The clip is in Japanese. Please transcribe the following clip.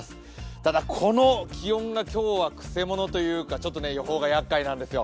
ただこの気温が今日はくせ者というかちょっと予報がやっかいなんですよ。